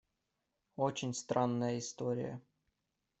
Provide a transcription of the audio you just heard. Очень странная история.